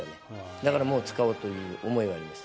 だから、もう使おうという思いがありました。